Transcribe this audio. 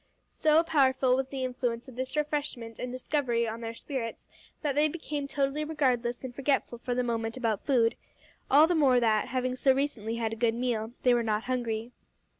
So powerful was the influence of this refreshment and discovery on their spirits that they became totally regardless and forgetful for the moment about food all the more that, having so recently had a good meal, they were not hungry.